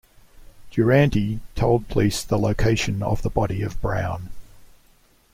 Durante told police the location of the body of Brown.